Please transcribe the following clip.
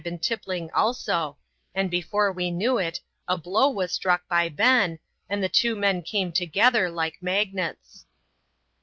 99^ tippliiig also, and before we knew it, a blow was struck hy Ben, and the two men came together like magnets.